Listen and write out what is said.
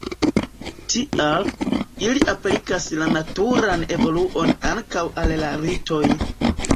Tial, ili aplikas la naturan evoluon ankaŭ al la ritoj.